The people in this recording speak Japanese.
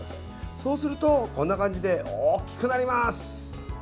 そうすると、こんな感じで大きくなります。